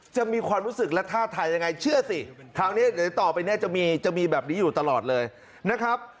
จะมีความรู้สึกและท่าทางยังไงเชื่อสิคราวนี้เดี๋ยวต่อไปเนี่ยจะมีแบบนี้อยู่ตลอดเลยนะครับ